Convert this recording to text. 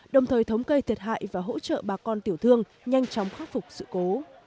đồng thời thống kê thiệt hại và hỗ trợ bà con tiểu thương nhanh chóng khắc phục sự cố